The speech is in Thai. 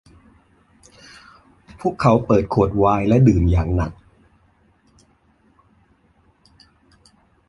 พวกเขาเปิดขวดไวน์และดื่มอย่างหนัก